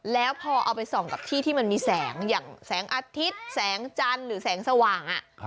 แล้วพอเอาไปส่องกับที่ที่มันมีแสงอย่างแสงอาทิตย์แสงจันทร์หรือแสงสว่าง